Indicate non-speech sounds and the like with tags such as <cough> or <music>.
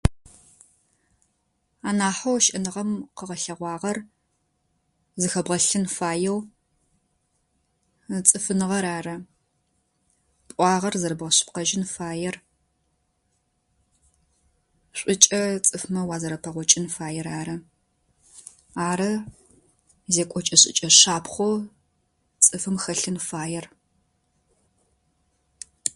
<noise> Анахьэу щыӏэныгъэм къыгъэлъэгъуагъэр зыхэбгъэлъын фаеу цӏыфыныгъэр ары. Пӏуагъэр зэрэбгъэшъыпкъэжьын фаер, шӏукӏэ цӏыфмэ уазэрэпэгъокӏын фаер ары. Ары зекӏокӏэ-шӏыкӏэ шапхъэу цӏыфым хэлъын фаер. <noise>